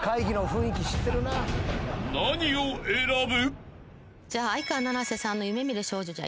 ［何を選ぶ？］